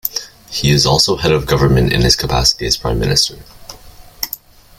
He is also head of government in his capacity as Prime Minister.